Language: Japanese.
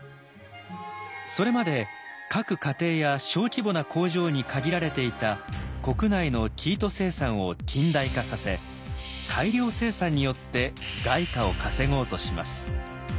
それまで各家庭や小規模な工場に限られていた国内の生糸生産を近代化させ大量生産によって外貨を稼ごうとします。